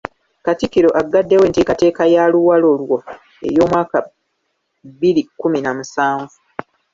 Katikkiro aggaddewo enteekateeka ya ‘Luwalo lwo’ ey’omwaka bbiri kkumi na musanvu.